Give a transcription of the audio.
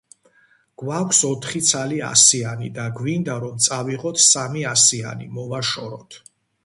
გვაქვს ოთხი ცალი ასიანი და გვინდა რომ წავიღოთ სამი ასიანი, მოვაშოროთ.